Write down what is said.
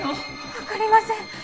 わかりません。